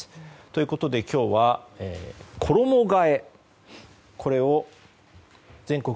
ということで、今日は衣替えを全国